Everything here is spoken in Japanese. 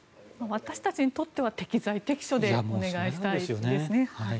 私たちにとっては適材適所でお願いしたいですね。